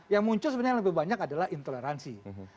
yang muncul sebenarnya lebih banyak adalah intoleransi